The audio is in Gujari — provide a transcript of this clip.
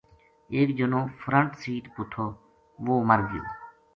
ایک جنو فرنٹ سیٹ پو تھو وہ مر گیو